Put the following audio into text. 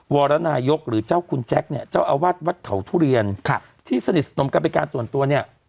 วรนายกหรือเจ้าคุณแจ็คเนี่ยเจ้าอาวาสวัดเขาทุเรียนที่สนิทสนมกันเป็นการส่วนตัวเนี่ย